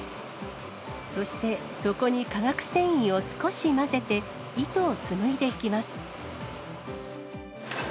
そして、そこに化学繊維を少し混ぜて、糸を紡いでいきます。